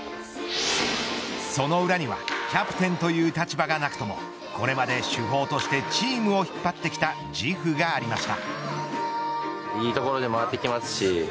その裏にはキャプテンという立場がなくともこれまで主砲としてチームを引っ張ってきた自負がありました。